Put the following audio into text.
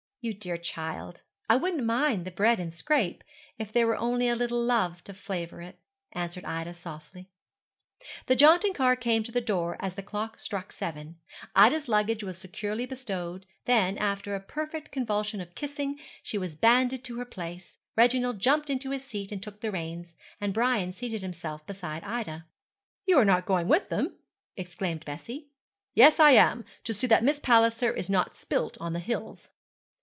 'You dear child, I wouldn't mind the bread and scrape, if there were only a little love to flavour it,' answered Ida softly. The jaunting car came to the door as the clock struck seven. Ida's luggage was securely bestowed, then, after a perfect convulsion of kissing, she was handed to her place, Reginald jumped into his seat and took the reins, and Brian seated himself beside Ida. 'You are not going with them?' exclaimed Bessie. 'Yes I am, to see that Miss Palliser is not spilt on the hills.'